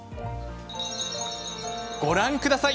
ご覧ください。